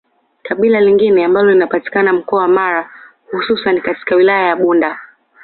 Kabila lingine ambalo linapatikana mkoa wa Mara hususani katika wilaya ya Bunda